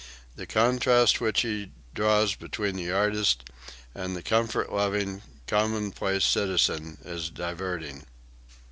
The contrast which he draws between the artist and the comfort loving, commonplace citizen is diverting.)